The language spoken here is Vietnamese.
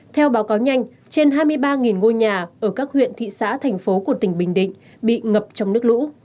theo báo cáo nhanh trên hai mươi ba ngôi nhà ở các huyện thị xã thành phố của tỉnh bình định bị ngập trong nước lũ